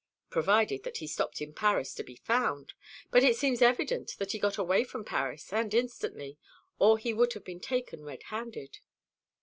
"Provided that he stopped in Paris to be found. But it seems evident that he got away from Paris, and instantly, or he would have been taken red handed."